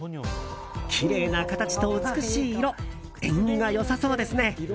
きれいな形と美しい色縁起が良さそうですね。